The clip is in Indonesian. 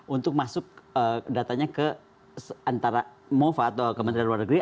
untuk masuk datanya ke antara mova atau kementerian luar negeri